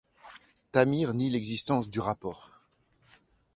Tamir nie l'existence du rapport.